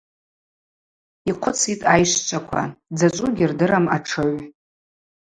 Йхъвыцитӏ айщчваква, дзачӏву гьырдырам атшыгӏв.